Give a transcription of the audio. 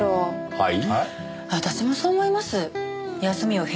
はい。